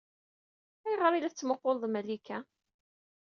Ayɣer ay la tettmuqquleḍ Malika?